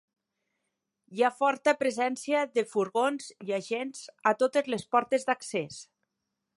Hi ha forta presència de furgons i agents a totes les portes d’accés.